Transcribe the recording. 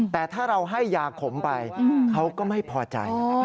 แต่ถ้าเราให้ยาขมไปเขาก็ไม่พอใจ